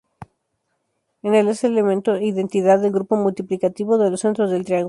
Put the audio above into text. Es el "elemento identidad" del grupo multiplicativo de los centros del triángulo.